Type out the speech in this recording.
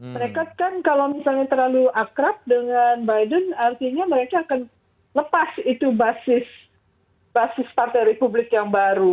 mereka kan kalau misalnya terlalu akrab dengan biden artinya mereka akan lepas itu basis partai republik yang baru